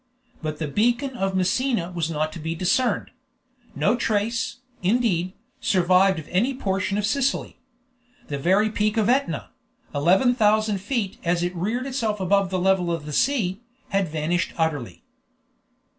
But the beacon of Messina was not to be discerned; no trace, indeed, survived of any portion of Sicily; the very peak of Etna, 11,000 feet as it had reared itself above the level of the sea, had vanished utterly.